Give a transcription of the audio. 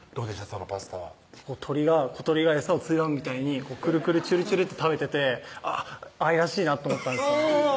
そのパスタは小鳥が餌をついばむみたいにくるくるちゅるちゅるって食べててあぁ愛らしいなと思ったんですよね